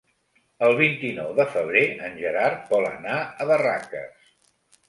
El vint-i-nou de febrer en Gerard vol anar a Barraques.